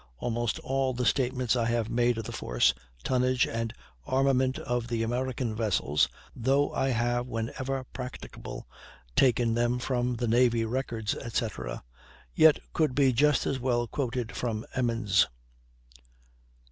Almost all the statements I have made of the force, tonnage, and armament of the American vessels, though I have whenever practicable taken them from the Navy Records, etc., yet could be just as well quoted from Emmons.